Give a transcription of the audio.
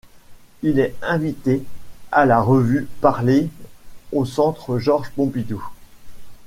Il est invite à la revue parlée au centre Georges Pompidou.